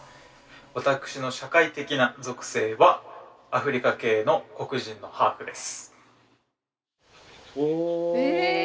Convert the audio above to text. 私の社会的な属性はアフリカ系の黒人のハーフです。